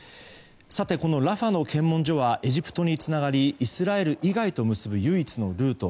このラファの検問所はエジプトにつながりイスラエル以外と結ぶ唯一のルート。